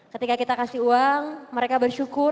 ketika kita kasih uang mereka bersyukur